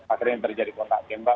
akhirnya terjadi kontak gempa